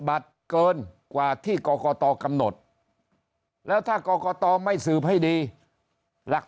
เกินกว่าที่กรกตกำหนดแล้วถ้ากรกตไม่สืบให้ดีหลัก